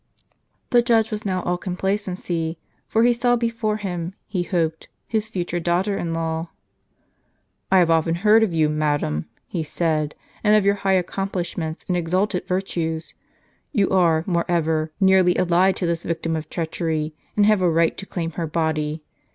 The judge was now all complacency, for he saw before him, he hoped, his future daughter in law. " I have often heard of you, madam," he said, " and of your high accomplishments and exalted virtues. You are, moreover, nearly allied to this victim of treachery, and have a right to claim her body.